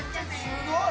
すごい。